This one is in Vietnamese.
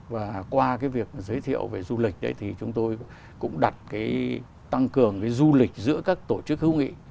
và qua cái việc giới thiệu về du lịch đấy thì chúng tôi cũng đặt cái tăng cường cái du lịch giữa các tổ chức hữu nghị